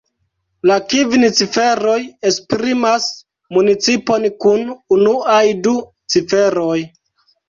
La kvin ciferoj esprimas municipon kun unuaj du ciferoj.